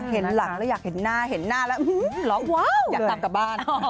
เห็นหลักแล้วอยากเห็นหน้า